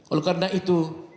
oleh karena itu